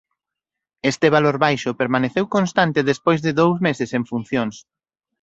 Este valor baixo permaneceu constante despois de dous meses en funcións.